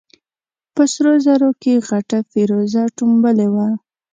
په سرو زرو کې غټه فېروزه ټومبلې وه.